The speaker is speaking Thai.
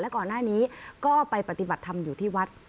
ก่อนหน้านี้ก็ไปปฏิบัติธรรมอยู่ที่วัด